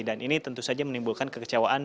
dan ini tentu saja menimbulkan kekecewaan